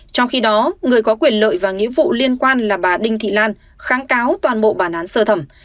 trong khi đó người có quyền lợi và nghĩa vụ liên quan là bà đinh thị lan kháng cáo toàn bộ bản án sơ thẩm